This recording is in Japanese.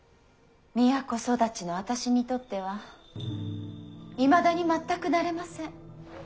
都育ちの私にとってはいまだに全く慣れません。